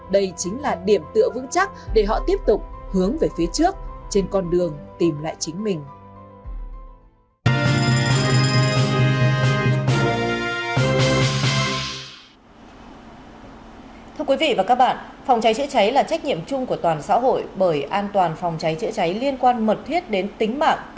đây chính là điểm tựa vững chắc để họ tiếp tục hướng về phía trước trên con đường tìm lại chính mình